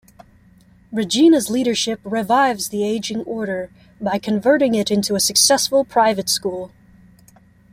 Regina's leadership revives the ageing Order by converting it into a successful private school.